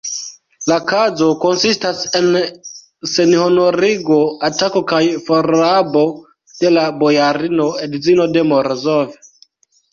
La kazo konsistas en senhonorigo, atako kaj forrabo de la bojarino, edzino de Morozov!